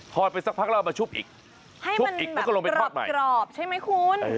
ทอดไปสักพักแล้วเอามาชุบอีกชุบอีกแล้วก็ลงไปทอดใหม่ให้มันแบบกรอบใช่ไหมคุณ